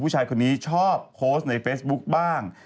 ผู้ชายคนนี้ชอบโพสต์ในเฟซบุ๊คบ้าง